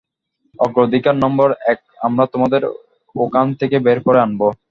অগ্রাধিকার নম্বর এক আমরা তোমাদের ওখান থেকে বের করে আনব।